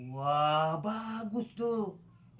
wah bagus tuh